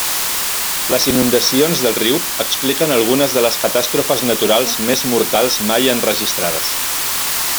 Les inundacions del riu expliquen algunes de les catàstrofes naturals més mortals mai enregistrades.